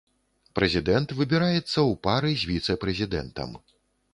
Прэзідэнт выбіраецца ў пары з віцэ-прэзідэнтам.